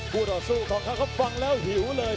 กูต้องสู้กับเขาครับฟังแล้วหิวเลย